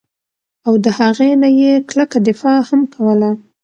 او د هغې نه ئي کلکه دفاع هم کوله